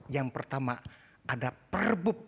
yang pertama ada perbup